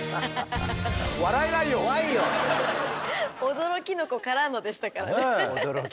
「驚キノコ」からのでしたからね。